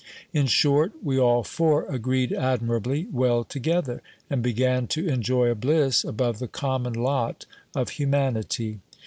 In short, we all four agreed admirably well together, and began to enjoy a bliss above the common lot of humanity.